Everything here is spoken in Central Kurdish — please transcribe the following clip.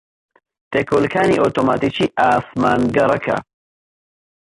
پێکەوەلکانی ئۆتۆماتیکیی ئاسمانگەڕەکە